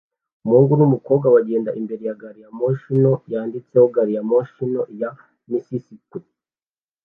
Umuhungu n'umukobwa bagenda imbere ya gari ya moshi nto yanditseho "Gari ya moshi ya Mississippi"